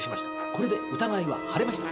これで疑いは晴れました。